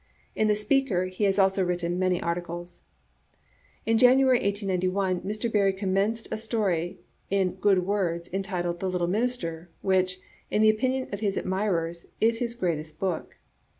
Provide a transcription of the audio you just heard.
In the Speaker he has also written many articles. In January, 1891, Mr. Barrie commenced a story in Good Words, entitled "The Little Minister," which, in the opinion of his admirers, is his greatest book.